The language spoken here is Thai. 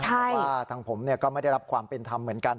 เพราะว่าทางผมก็ไม่ได้รับความเป็นธรรมเหมือนกัน